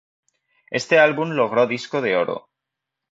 Este álbum logró disco de oro.